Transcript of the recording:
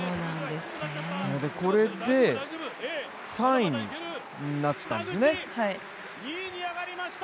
これで３位になったんですね。